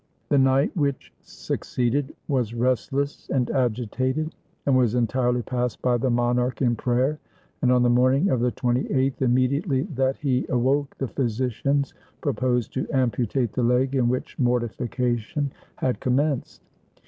The night which succeeded was restless and agitated, and was entirely passed by the monarch in prayer; and on the morning of the 28th, immediately that he awoke, the physicians proposed to amputate the leg in which mortification had commenced.